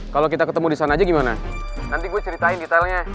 kalau kita ketemu di sana aja gimana nanti gue ceritain detailnya